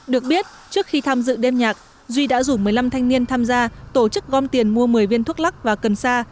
được biết trước khi tham dự đêm nhạc duy đã rủ một mươi năm thanh niên tham gia tổ chức gom tiền mua một mươi viên thuốc lắc và cần sa